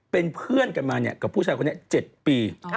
เป็นเพื่อนกันมากับผู้ชายคนนี้๗ปี